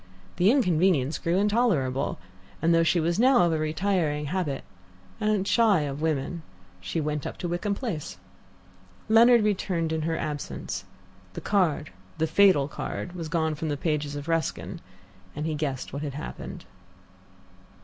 The inconvenience grew intolerable, and though she was now of a retiring habit, and shy of women, she went up to Wickham Place. Leonard returned in her absence. The card, the fatal card, was gone from the pages of Ruskin, and he guessed what had happened.